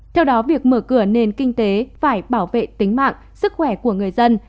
theo đó việc mở cửa nền kinh tế phải bảo vệ tính mạng sức khỏe của người dân